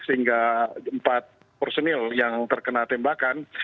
sehingga empat personil yang terkena tembakan